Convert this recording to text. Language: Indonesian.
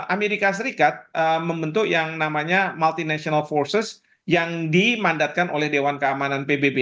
amerika serikat membentuk yang namanya multinational forces yang dimandatkan oleh dewan keamanan pbb